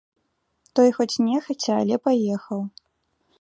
Той хоць нехаця, але паехаў.